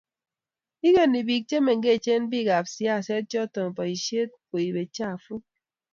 igoni biik chemengech biikap siaset choto boishet koibe tmchafuk